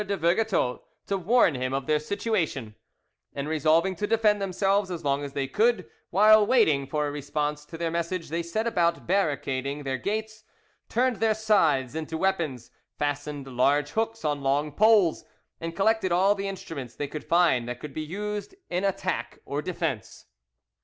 de Vergetot to warn him of their situation; and resolving to defend themselves as long as they could, while waiting for a response to their message they set about barricading their gates, turned their scythes into weapons, fastened large hooks on long poles, and collected all the instruments they could find that could be used in attack or defence.